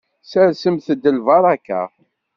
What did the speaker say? Sersemt-d lbaraka.